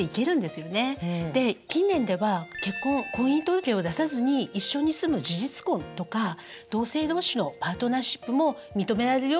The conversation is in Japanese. で近年では結婚婚姻届を出さずに一緒に住む事実婚とか同性同士のパートナーシップも認められるようになりました。